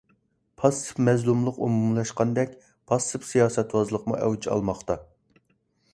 پاسسىپ مەزلۇملۇق ئومۇملاشقاندەك، پاسسىپ سىياسەتۋازلىقمۇ ئەۋج ئالماقتا.